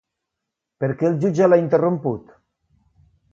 Per què el jutge l'ha interromput?